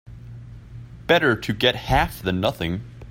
Better to get half than nothing.